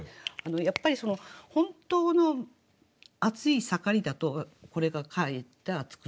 やっぱり本当の暑い盛りだとこれがかえって暑苦しく感じると。